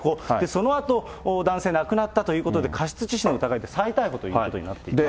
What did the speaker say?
そのあと、男性、亡くなったということで、過失致死の疑いで再逮捕ということになっています。